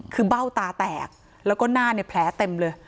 คือเบ้าตาแตกแล้วก็หน้าเนี่ยแผลเต็มเลย